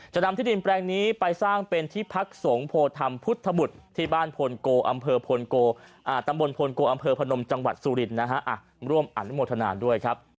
นำที่ดินแปลงนี้ไปสร้างเป็นที่พักสงฆ์โพธรรมพุทธบุตรที่บ้านพลโกอำเภอตำบลพลโกอำเภอพนมจังหวัดสุรินนะฮะร่วมอนุโมทนาด้วยครับ